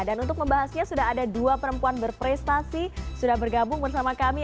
dan untuk membahasnya sudah ada dua perempuan berprestasi sudah bergabung bersama kami